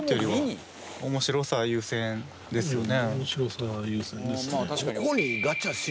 面白さ優先ですね